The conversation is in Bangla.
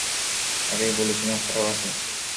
আগেই বলেছিলাম, ফাটাফাটি।